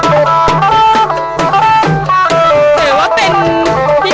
เพื่อรับความรับทราบของคุณ